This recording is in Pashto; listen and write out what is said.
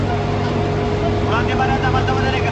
ځیرک وسایل بستره جوړوي.